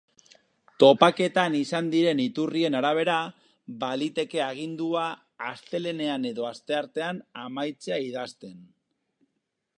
Topaketan izan diren iturrien arabera, baliteke agindua astelehenean edo asteartean amaitzea idazten.